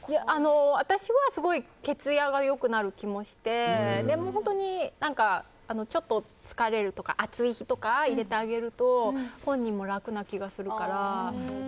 私はすごい毛つやがよくなる気もしてちょっと疲れるとか暑い日に入れてあげると本人も楽な気がするから。